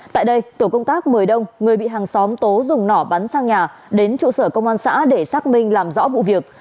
tại đây tổ công tác mời đông người bị hàng xóm tố dùng nỏ bắn sang nhà đến trụ sở công an xã để xác minh làm rõ vụ việc